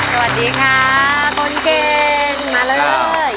สวัสดีค่ะคนเก่งมาเลย